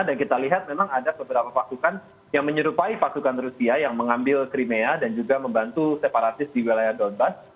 dan kita lihat memang ada beberapa pasukan yang menyerupai pasukan rusia yang mengambil crimea dan juga membantu separatis di wilayah donbass